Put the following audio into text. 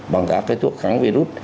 bằng các cái thuốc kháng virus